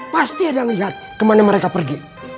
pasti ada yang lihat kemana mereka pergi